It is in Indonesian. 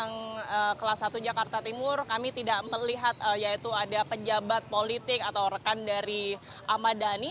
yang kelas satu jakarta timur kami tidak melihat yaitu ada pejabat politik atau rekan dari ahmad dhani